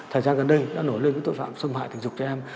thời gian gần đây đã nổi lên với tội phạm xâm hại tình dục trẻ em